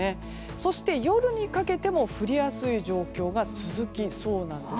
そして、夜にかけても降りやすい状況が続きそうです。